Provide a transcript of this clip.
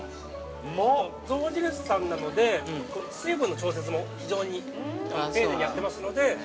◆象印さんなので、水分の調節も非常に丁寧にやってますので。